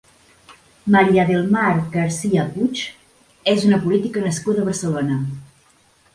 María del Mar García Puig és una política nascuda a Barcelona.